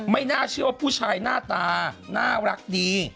น่าเชื่อว่าผู้ชายหน้าตาน่ารักดี